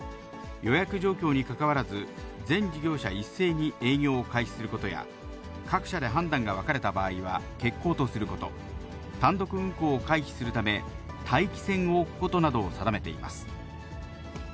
予約状況に関わらず、全事業者一斉に営業を開始することや、各社で判断が分かれた場合は欠航とすること、単独運航を回避するため、待機船を置くことなどを定めています。